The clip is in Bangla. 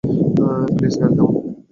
প্লিজ গাড়ি থামাও।